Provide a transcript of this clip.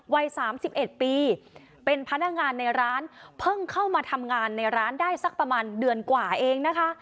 วัย๓๑ปีเป็นพนักงานในร้านเพิ่งเข้ามาทำงานในร้านได้สักประมาณเดือนกว่าเองนะคะ